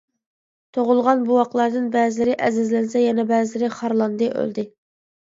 تۇغۇلغان بوۋاقلاردىن بەزىلىرى ئەزىزلەنسە يەنە بەزىلىرى خارلاندى ئۆلدى.